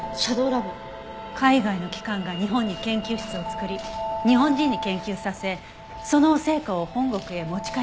海外の機関が日本に研究室を作り日本人に研究させその成果を本国へ持ち帰るシステム。